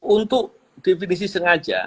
untuk definisi sengaja